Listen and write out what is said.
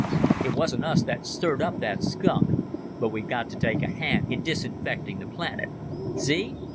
It wasn't us that stirred up that skunk, but we've got to take a hand in disinfecting the planet. See?